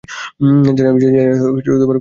জানি না তুমি কোন বিষয়ে কথা বলছ।